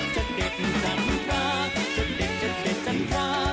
จะเด็ดจันทราจนเด็กจะเด็ดจันทรา